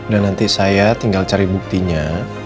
dan nanti saya tinggal cari buktinya